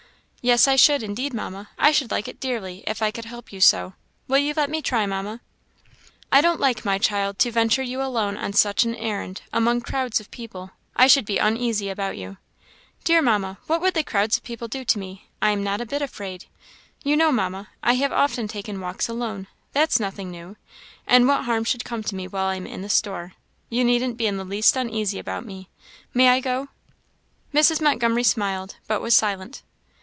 "Yes, I should; indeed, Mamma, I should like it dearly, if I could help you so. Will you let me try, Mamma?" "I don't like, my child, to venture you alone on such an errand, among crowds of people; I should be uneasy about you." "Dear Mamma, what would the crowds of people do to me? I am not a bit afraid. You know, Mamma, I have often taken walks alone that's nothing new; and what harm should come to me while I am in the store? You needn't be the least uneasy about me; may I go?" Mrs. Montgomery smiled, but was silent.